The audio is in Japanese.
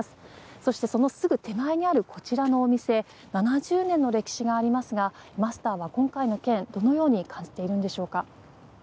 そしてその手前にあるこちらのお店７０年の歴史がありますがマスターは今回の件どのように感じているんでしょうか。